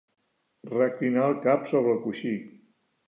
Reclinar el cap sobre el coixí.